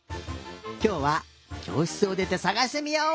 きょうはきょうしつをでてさがしてみよう！